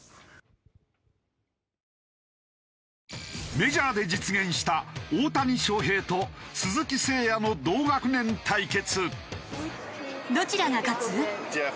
メジャーで実現した大谷翔平と鈴木誠也の同学年対決。